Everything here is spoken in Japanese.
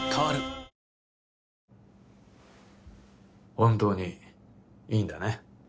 本当にいいんだね？